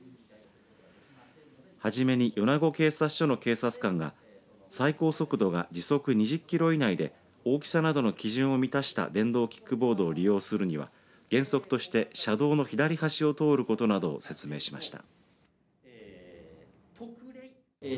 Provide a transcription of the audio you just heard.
はじめに米子警察署の警察官が最高速度が時速２０キロ以内で大きさなどの基準を満たした電動キックボードを利用するには原則として車道の左端を通ることなどを説明しました。